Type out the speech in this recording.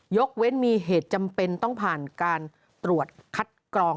ยกเว้นมีเหตุจำเป็นต้องผ่านการตรวจคัดกรอง